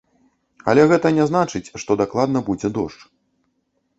Але гэта не значыць, што дакладна будзе дождж.